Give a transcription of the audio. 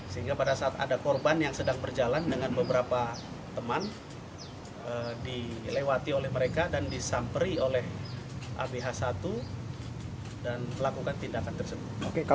sehingga pada saat ada korban yang sedang berjalan dengan beberapa teman dilewati oleh mereka dan disamperi oleh abh satu dan melakukan tindakan tersebut